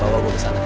bawa gue kesana